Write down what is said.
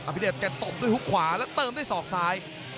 พิเดชแกตบด้วยฮุกขวาแล้วเติมด้วยศอกซ้าย